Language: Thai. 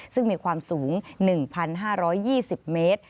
ซึ่งมีความสูง๑๕๒๐เมตร